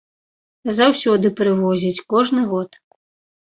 Заўсёды прывозіць, кожны год.